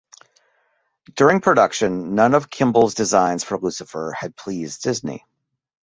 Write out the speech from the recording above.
During production, none of Kimball's designs for Lucifer had pleased Disney.